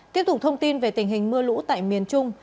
tiếp tục thông tin về tình hình mưa lũ tại miền trung